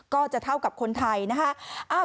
ก็จะเท่ากับคนไทยนะคะ